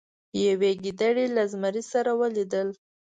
یوې ګیدړې له زمري سره ولیدل.